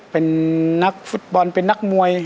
เป็นนักฟุตบอลเป็นนักมวย